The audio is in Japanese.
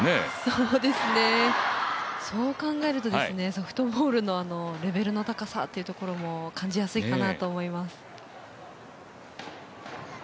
そうですねそう考えるとソフトボールのレベルの高さというのも、感じやすいかなと思います。